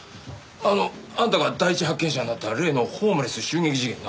あのあんたが第一発見者になった例のホームレス襲撃事件な。